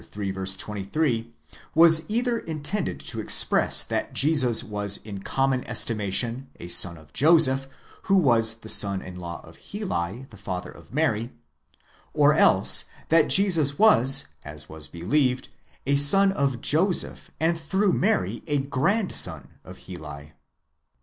23 was either intended to express that Jesus was in common estimation a son of Joseph, who was the son in law of Heli, the father of Mary !5°:—or else, that Jesus was, as was believed, a son of Joseph, and through Mary a grandson of Heli.